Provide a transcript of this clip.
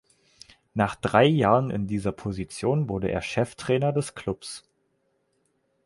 Nach drei Jahren in dieser Position wurde er Cheftrainer des Klubs.